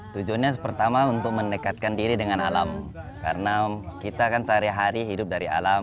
tujuannya pertama untuk mendekatkan diri dengan alam karena kita kan sehari hari hidup dari alam